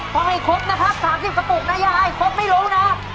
เพราะไม่ครบนะครับ๓๐สปุกนะยายครบไม่รู้นะ